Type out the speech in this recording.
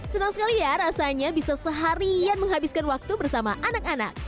senang sekali ya rasanya bisa seharian menghabiskan waktu bersama anak anak